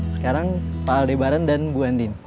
sekarang pak aldebaran dan bu andin